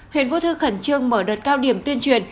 huyện vũ thư khẩn trương mở đợt cao điểm tuyên truyền